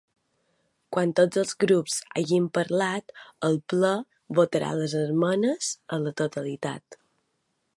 Quan tots els grups hagin parlat, el ple votarà les esmenes a la totalitat.